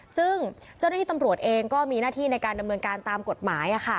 ซึ่งเจ้าหน้าที่ตำรวจเองก็มีหน้าที่ในการดำเนินการตามกฎหมาย